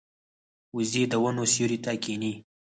وزې د ونو سیوري ته کیني